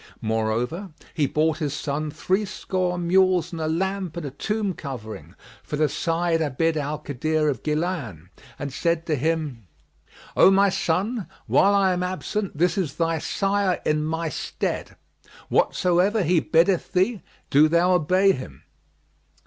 More over he bought his son threescore mules and a lamp and a tomb covering for the Sayyid Abd al Kadir of Gнlбn[FN#43] and said to him, "O my son, while I am absent, this is thy sire in my stead: whatsoever he biddeth thee, do thou obey him."